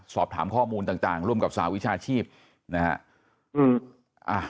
สอบถามข้อมูลต่างร่วมกับสหวิชาชีพนะฮะ